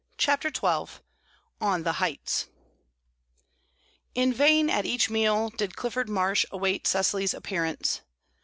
CHAPTER XII ON THE HEIGHTS In vain, at each meal, did Clifford Marsh await Cecily's appearance.